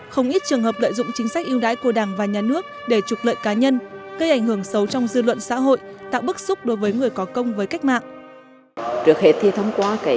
không ít trường hợp lợi dụng chính sách yêu đái của đảng và nhà nước để trục lợi cá nhân gây ảnh hưởng xấu trong dư luận xã hội tạo bức xúc đối với người có công với cách mạng